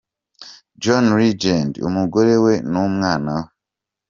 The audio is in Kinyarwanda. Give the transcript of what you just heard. John Legend, umugore we n'umwana we.